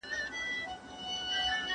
¬ چي په مرگ ئې ونيسې، په تبه به راضي سي.